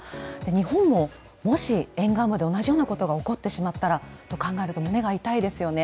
日本ももし沿岸部で同じようなことが起こってしまったらと考えると胸が痛いですよね。